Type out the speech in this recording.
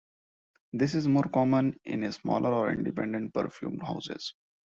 This is more common in smaller or independent perfume houses.